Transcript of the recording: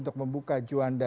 untuk membuka juanda